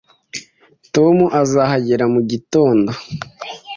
Tom azahagera mugitondo